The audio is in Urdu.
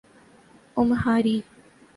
امہاری